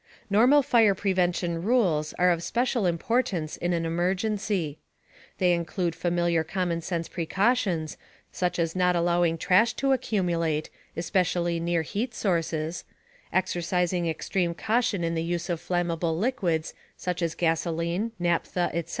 Normal fire prevention rules are of special importance in an emergency. They include familiar commonsense precautions such as not allowing trash to accumulate, especially near heat sources; exercising extreme caution in the use of flammable fluids such as gasoline, naphtha, etc.